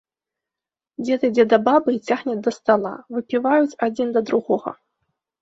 Дзед ідзе да бабы і цягне да стала, выпіваюць адзін да другога.